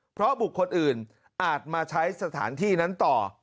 เพราะบุคคลอื่นอาจมาใช้สถานที่นั้นต่อ